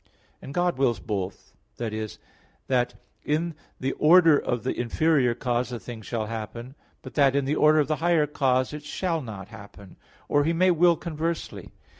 And God wills both: that is, that in the order of the inferior cause a thing shall happen; but that in the order of the higher cause it shall not happen; or He may will conversely.